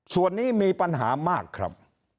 ส่วนนี้มีปัญหามากครับ